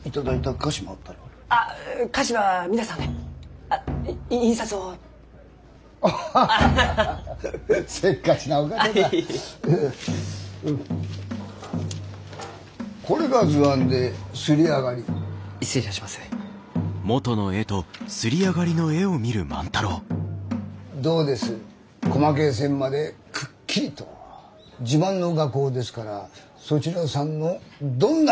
自慢の画工ですからそちらさんのどんな原稿でも。